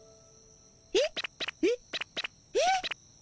えっ？えっ？えっ？